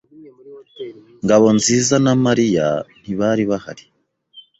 Ngabonzizana Mariya ntibari bahari.